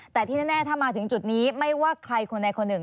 แต่ที่แน่ถ้ามาถึงจุดนี้ไม่ว่าใครคนใดคนหนึ่ง